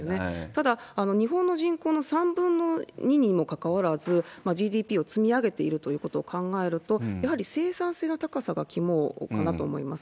ただ、日本の人口の３分の２にもかかわらず、ＧＤＰを積み上げているということを考えると、やはり生産性の高さが肝かなと思います。